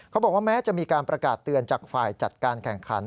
เขาบอกว่าแม้จะมีการประกาศเตือนจากฝ่ายจัดการแข่งขัน